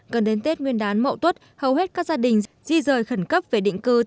gần đến tết nguyên đán mậu tuất hầu hết các gia đình di rời khẩn cấp về định cư